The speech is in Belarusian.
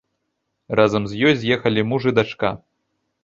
Разам з ёй з'ехалі муж і дачка.